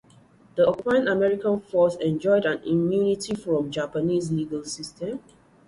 The occupying American force enjoyed an immunity from the Japanese legal system.